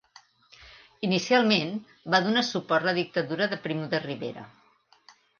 Inicialment va donar suport la dictadura de Primo de Rivera.